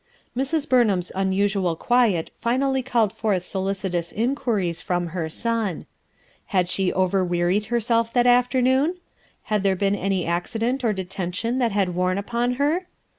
Mrs. Bumham's unusual quiet finally called forth solicitous inquiries from her son. Had she overwearied herself that afternoon ? Had there been any accident or detention that had worn upon her?